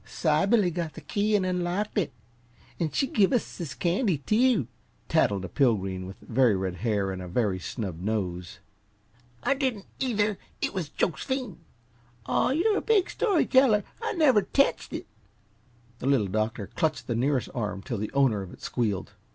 "Sybilly got the key an' unlocked it, an' she give us this candy, too!" tattled a Pilgreen with very red hair and a very snub nose. "I didn't, either! It was Jos'phine!" "Aw, you big story teller! I never tetched it!" The Little Doctor clutched the nearest arm till the owner of it squealed.